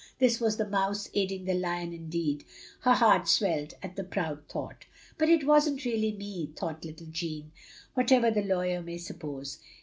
This was the mouse aiding the lion indeed. Her heart swelled at the proud thought. " But it wasn't really me," thought little Jeanne, "whatever the lawyer may suppose..